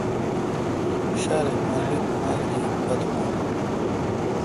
ݭارے مالبیت مال گی پت واں۔